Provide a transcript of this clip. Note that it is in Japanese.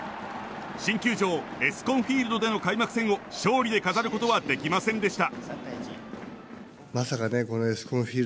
新球場エスコンフィールドでの開幕戦を勝利で飾ることはできませんでした。